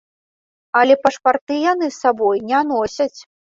Але пашпарты яны з сабой не носяць.